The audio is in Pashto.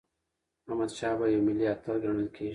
احمدشاه بابا یو ملي اتل ګڼل کېږي.